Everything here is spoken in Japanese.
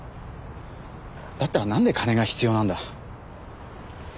だったらなんで金が必要なんだ？